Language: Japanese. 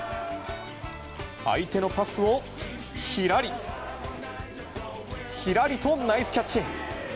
相手のパスをひらり、ひらりとナイスキャッチ！